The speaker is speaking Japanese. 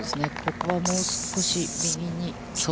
ここも少し右に。